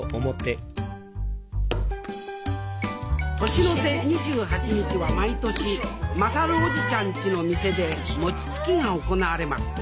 年の瀬２８日は毎年優叔父ちゃんちの店で餅つきが行われます。